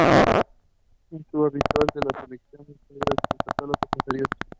Es un habitual de la selección de Serbia en sus categorías inferiores.